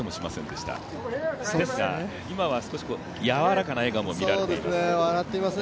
ですが今は、少しやわらかな笑顔も見られています。